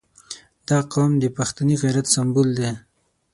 • دا قوم د پښتني غیرت سمبول دی.